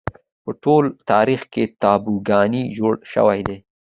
په ټول تاریخ کې تابوگانې جوړې شوې دي